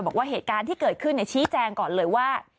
บอกว่าเหตุการณ์ที่เกิดขึ้นชี้แจงก่อนเลยว่า